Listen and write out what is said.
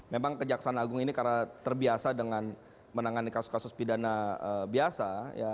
memang kejaksaan agung ini karena terbiasa dengan menangani kasus kasus pidana biasa